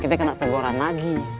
kita kena teguran lagi